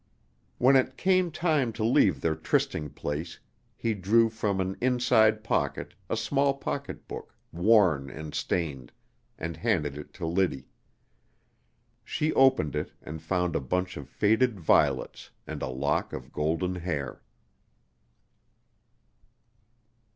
When it came time to leave their trysting place he drew from an inside pocket a small pocketbook, worn and stained, and handed it to Liddy. She opened it and found a bunch of faded violets and a lock of golden hair.